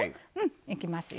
いきますよ。